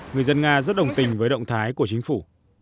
người dân nga rất đồng tình với động thái của chính phủ